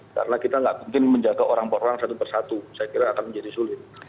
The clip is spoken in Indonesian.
karena kita tidak mungkin menjaga orang orang satu persatu saya kira akan menjadi sulit